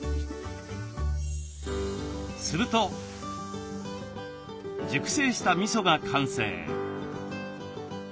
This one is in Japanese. すると熟成したみそが完成。